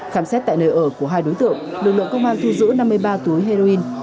khám xét tại nơi ở của hai đối tượng lực lượng công an thu giữ năm mươi ba túi heroin